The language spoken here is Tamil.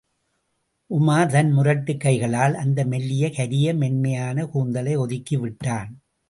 உமார் தன் முரட்டுக் கைகளால், அந்த மெல்லிய கரிய மென்மையான கூந்தலை ஒதுக்கிவிட்டான்.